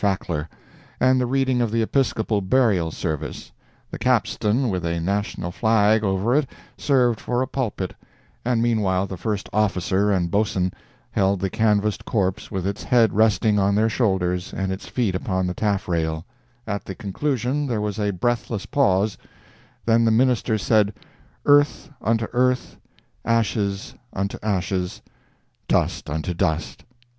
Fackler) and the reading of the Episcopal burial service—the capstan with a national flag over it served for a pulpit, and meanwhile the first officer and boatswain held the canvassed corpse with its head resting on their shoulders and its feet upon the taffrail—at the conclusion there was a breathless pause; then the minister said "Earth unto earth—ashes unto ashes—dust unto dust!"